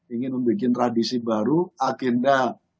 ingin membuat tradisi baru agenda